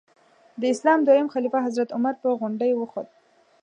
د اسلام دویم خلیفه حضرت عمر په غونډۍ وخوت.